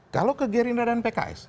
kalau ke gerindra dan pks